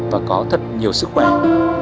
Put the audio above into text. và có thật nhiều sức khỏe